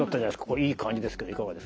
これいい感じですけどいかがですか？